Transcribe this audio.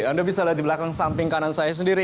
anda bisa lihat di belakang samping kanan saya sendiri